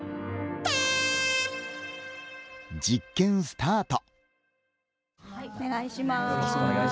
実験スタート。